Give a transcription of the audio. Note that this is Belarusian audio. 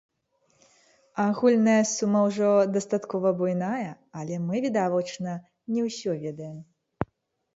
Агульная сума ўжо дастаткова буйная, але мы, відавочна, не ўсё ведаем.